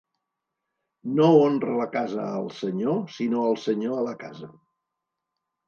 No honra la casa al senyor, sinó el senyor a la casa.